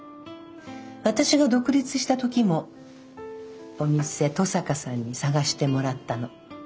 私が独立した時もお店登坂さんに探してもらったの。